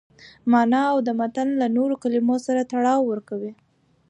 مانا او د متن له نورو کلمو سره تړاو ورکوي.